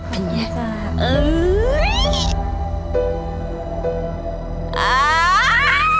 เป็นไง